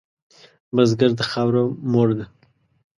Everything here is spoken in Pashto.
بزګر ته خاوره مور ده